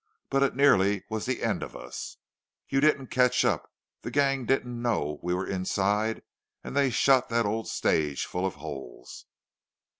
"But it nearly was the end of us. You didn't catch up. The gang didn't know we were inside, and they shot the old stage full of holes."